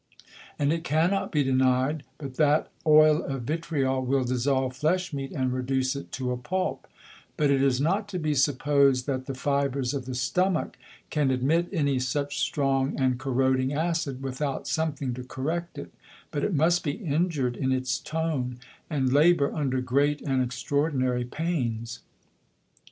And it cannot be deny'd, but that Oil of Vitriol will dissolve Flesh meat, and reduce it to a Pulp; but it is not to be suppos'd, that the Fibres of the Stomach can admit any such strong and corroding Acid, without something to correct it, but it must be injur'd in its Tone, and labour under great and extraordinary Pains.